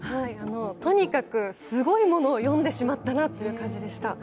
とにかく、すごいものを読んでしまったなという感じでした。